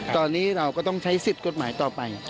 ตอนนี้เราก็ต้องใช้สิทธิ์กฎหมายต่อไป